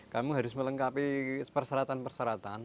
kamu harus melengkapi perseratan perseratan